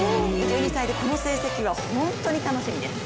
２２歳でこの成績は本当に楽しみです。